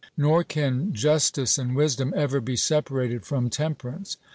Nor can justice and wisdom ever be separated from temperance.